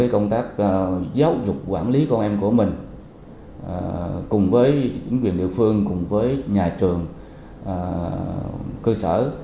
công tác giáo dục quản lý con em của mình cùng với chính quyền địa phương cùng với nhà trường cơ sở